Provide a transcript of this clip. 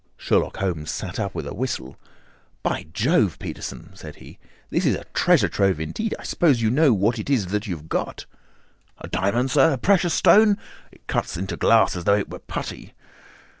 Sherlock Holmes sat up with a whistle. "By Jove, Peterson!" said he, "this is treasure trove indeed. I suppose you know what you have got?" "A diamond, sir? A precious stone. It cuts into glass as though it were putty."